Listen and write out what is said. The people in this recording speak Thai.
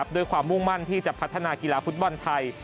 ด้วยความมุ่งมั่นที่จะพัฒนากีฬาฟุตบอลไทย